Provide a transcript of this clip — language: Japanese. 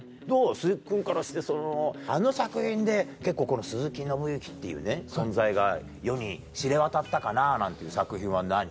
鈴木君からしてあの作品で結構この鈴木伸之っていうね存在が世に知れ渡ったかなぁなんていう作品は何？